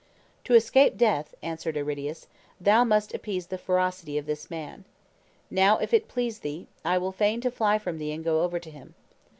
"To escape death," answered Aridius, "thou must appease the ferocity of this man. Now, if it please thee, I will feign to fly from thee and go over to him.